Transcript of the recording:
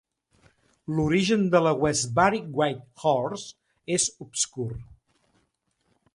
L"origen de la Westbury White Horse és obscur.